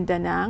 tôi sẽ nói rằng